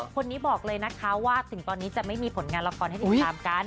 คนนี้บอกเลยนะคะว่าถึงตอนนี้จะไม่มีผลงานละครให้ติดตามกัน